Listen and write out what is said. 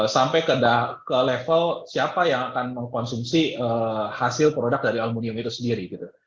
sampai ke level siapa yang akan mengkonsumsi hasil produk dari aluminium itu sendiri